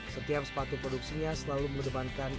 setiap sepatu produksinya selalu mendekatkan ide dan bentuk